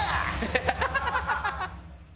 ハハハハ！